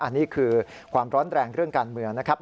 อันนี้คือความร้อนแรงเรื่องการเมืองนะครับ